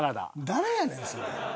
誰やねんそれ。